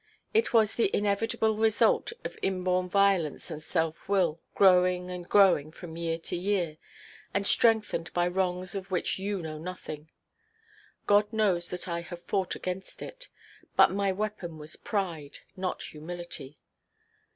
It was the inevitable result of inborn violence and self–will, growing and growing from year to year, and strengthened by wrongs of which you know nothing. God knows that I have fought against it; but my weapon was pride, not humility.